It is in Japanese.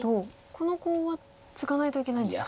このコウはツガないといけないんですか。